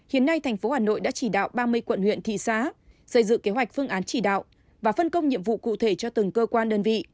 hiện nay thành phố hà nội đã chỉ đạo ba mươi quận huyện thị xá xây dự kế hoạch phương án chỉ đạo và phân công nhiệm vụ cụ thể cho từng cơ quan đơn vị